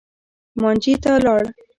مانجې ته لاړ.